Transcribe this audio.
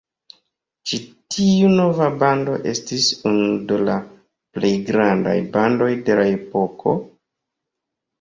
Ĉi tiu nova bando estis unu de la plej grandaj bandoj de la epoko.